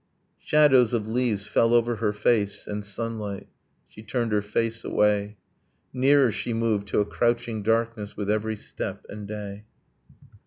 . Shadows of leaves fell over her face, and sunlight: She turned her face away. Nearer she moved to a crouching darkness With every step and day.